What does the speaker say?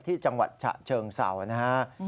ที่จังหวัดฉะเชิงเศร้านะฮะ